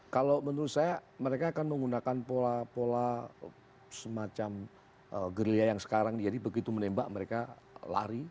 kalau menurut saya mereka akan menggunakan pola pola semacam gerilya yang sekarang jadi begitu menembak mereka lari